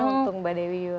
untuk mbak dewi